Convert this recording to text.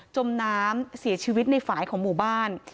จมน้ำเสียชีวิตในฝ่ายของหมู่บ้าน